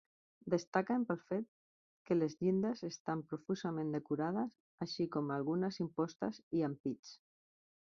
Destaquen pel fet que les llindes estan profusament decorades, així com algunes impostes i ampits.